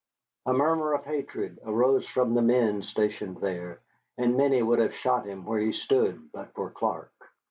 A murmur of hatred arose from the men stationed there, and many would have shot him where he stood but for Clark.